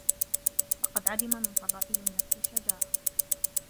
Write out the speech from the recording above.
فَقَدْ عَدِمَ مِنْ فَضَائِلِ النَّفْسِ الشَّجَاعَةَ